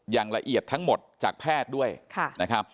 อย่างละเอียดทั้งหมดจากแพทย์ด้วยนะครับ